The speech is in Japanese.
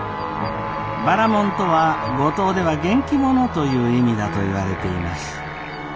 ばらもんとは五島では元気者という意味だといわれています。